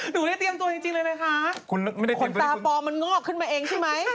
หนูได้เตรียมตัวจริงเลยนะคะคนตาปลอมมันงอกขึ้นมาเองใช่ไหม